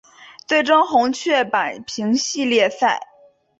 最终红雀扳平系列赛。